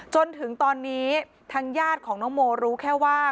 จนถึงตอนนี้ทางญาติของน้องโมรู้แค่ว่า